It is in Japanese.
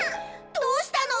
どうしたの？